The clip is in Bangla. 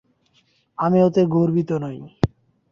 আমি ওতে গর্বিত নই।